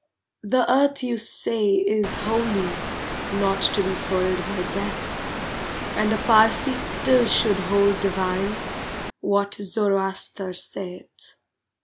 The earth you say is holy, Not to be soiled by death, And a Parsee still should hold divine What Zoroaster saith.